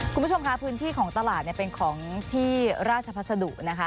คุณผู้ชมค่ะพื้นที่ของตลาดเนี่ยเป็นของที่ราชพัสดุนะคะ